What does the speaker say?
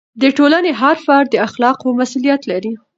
د ټولنې هر فرد د اخلاقو مسؤلیت لري.